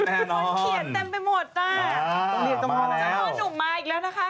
เขียนเต็มไปหมดน่ะต้องเรียกต่อมาแล้วจนกว่าหนุ่มมาอีกแล้วนะคะ